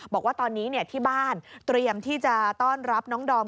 บอกว่าตอนนี้ที่บ้านเตรียมที่จะต้อนรับน้องดอม